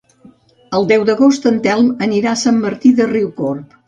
El deu d'agost en Telm anirà a Sant Martí de Riucorb.